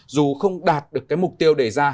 dù không đạt được mục tiêu đề ra